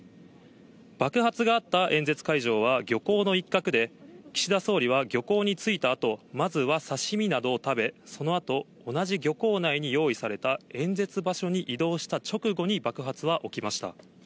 爆発があった演説会場は漁港の一角で、岸田総理は漁港に着いたあと、まずは刺身などを食べ、そのあと同じ漁港内に用意された演説場所に移動した直後に爆発は起きました。